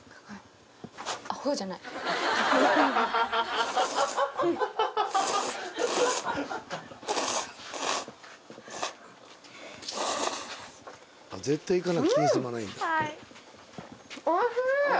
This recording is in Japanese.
はい。